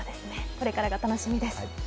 これからが楽しみです。